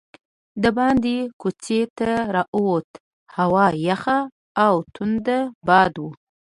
دباندې کوڅې ته راووتو، هوا یخه او توند باد و.